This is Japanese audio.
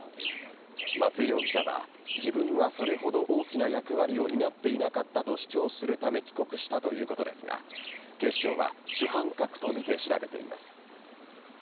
松江容疑者は自分はそれほど大きな役割を担っていなかったと主張するため帰国したということですが警視庁は主犯格とみて調べています。